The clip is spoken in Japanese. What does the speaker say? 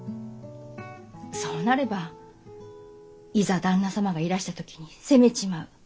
そうなればいざ旦那様がいらした時に責めちまう。